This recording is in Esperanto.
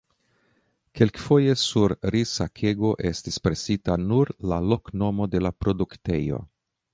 Kelkfoje sur rizsakego estis presita nur la loknomo de la produktejo.